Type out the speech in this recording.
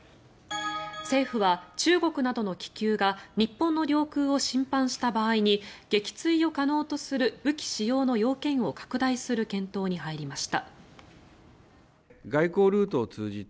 政府は中国などの気球が日本の領空を侵犯した場合に撃墜を可能とする武器使用の要件を拡大する検討に入りました。